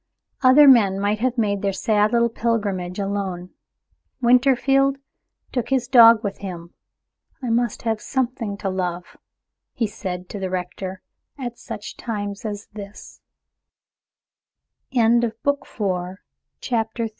Other men might have made their sad little pilgrimage alone. Winterfield took his dog with him. "I must have something to love," he said to the rector, "at such a time as this." CHAPTER IV. FATHER BENWELL'S CORRESPONDENCE.